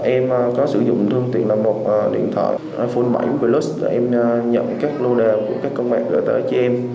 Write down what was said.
em có sử dụng thương tiện là một điện thoại iphone bảy plus để em nhận các lô đề của các con bạn gửi tới cho em